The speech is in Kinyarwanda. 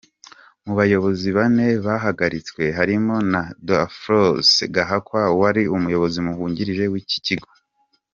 Mu bayobozi bane bahagaritswe harimo na Daphrose Gahakwa wari umuyobozi wungirije w’ iki kigo.